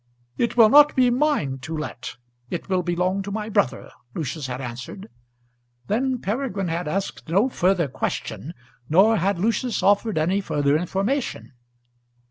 "It will not be mine to let. It will belong to my brother," Lucius had answered. Then Peregrine had asked no further question; nor had Lucius offered any further information.